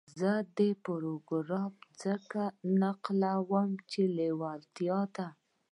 زه دا پاراګراف ځکه را نقلوم چې لېوالتیا ده.